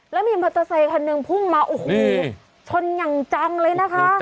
แล้วมีมอเตอร์ไซคันหนึ่งพุ่งมาโอ้โหชนอย่างจังเลยนะคะ